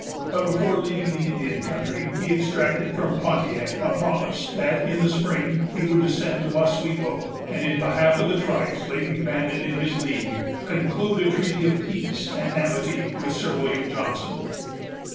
But before leaving the Indian country, he exacted from Pontiac a promise that in the spring he would descend to Oswego, and, in behalf of the tribes lately banded in his league, conclude a treaty of peace and amity with Sir William Johnson.